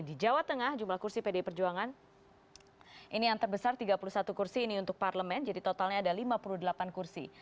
di jawa tengah jumlah kursi pdi perjuangan ini yang terbesar tiga puluh satu kursi ini untuk parlemen jadi totalnya ada lima puluh delapan kursi